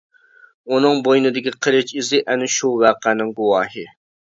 ئۇنىڭ بوينىدىكى قىلىچ ئىزى ئەنە شۇ ۋەقەنىڭ گۇۋاھى.